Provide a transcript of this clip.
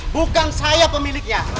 bukan saya pemiliknya